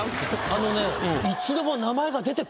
あのね。